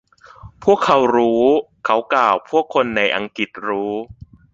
พวกเขารู้ เขากล่าว พวกคนในอังกฤษรู้